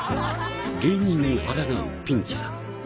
芸人にあらがうピンチさん